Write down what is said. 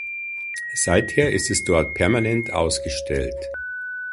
Seither ist es dort permanent ausgestellt.